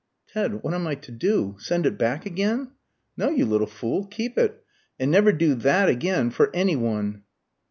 "Ted, what am I to do? Send it back again?" "No, you little fool! Keep it, and never do that again for any one."